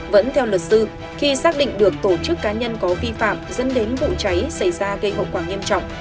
vẫn theo luật sư khi xác định được tổ chức cá nhân có vi phạm dẫn đến vụ cháy xảy ra gây hậu quả nghiêm trọng